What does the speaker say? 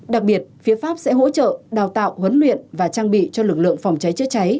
đặc biệt phía pháp sẽ hỗ trợ đào tạo huấn luyện và trang bị cho lực lượng phòng cháy chữa cháy